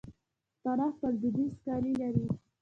پښتانه خپل دودیز کالي لري.